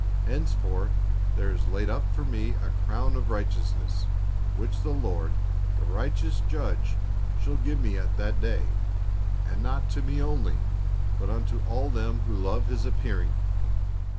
Henceforth there is laid up for me a crown of righteousness, which the Lord, the righteous judge, shall give me at that day ; and not to me only, but unto all them who love his appearing.